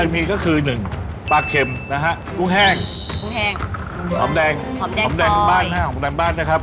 มีก็คือหนึ่งปลากเข็มนะฮะกุ้งแห้งหอมแดงหอมแดงซอยหอมแดงของบ้านนะครับ